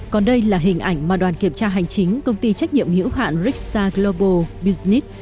còn đây là hình ảnh mà đoàn kiểm tra hành chính công ty trách nhiệm hữu hạn richa global business